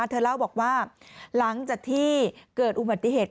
เธอเล่าบอกว่าหลังจากที่เกิดอุบัติเหตุ